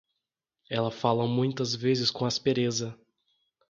Ela fala muitas vezes com aspereza